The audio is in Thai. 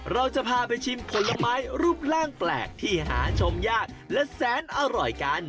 เราจะพาไปชิมผลไม้รูปร่างแปลกที่หาชมยากและแสนอร่อยกัน